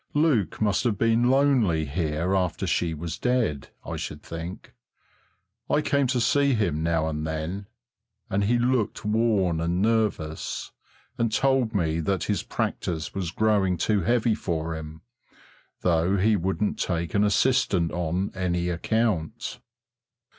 Luke must have been lonely here after she was dead, I should think; I came to see him now and then, and he looked worn and nervous, and told me that his practice was growing too heavy for him, though he wouldn't take an assistant on any account.